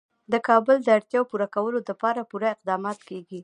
د کابل د اړتیاوو پوره کولو لپاره پوره اقدامات کېږي.